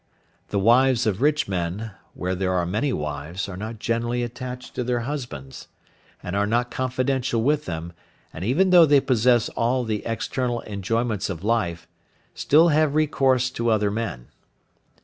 The wives of rich men, where there are many wives, are not generally attached to their husbands, and are not confidential with them, and even though they possess all the external enjoyments of life, still have recourse to other men.